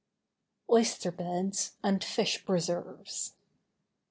OYSTER BEDS, AND FISH PRESERVES.